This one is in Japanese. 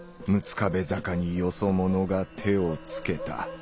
壁坂によそ者が手をつけた。